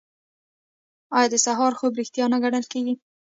آیا د سهار خوب ریښتیا نه ګڼل کیږي؟